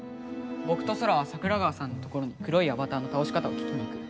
ぼくとソラは桜川さんのところに黒いアバターのたおし方を聞きに行く。